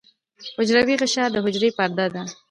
حجروی غشا د حجرې پرده ده